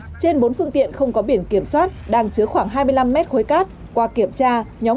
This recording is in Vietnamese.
trên bốn phương tiện không có biển kiểm soát đang chứa khoảng hai mươi năm mét khối cát qua kiểm tra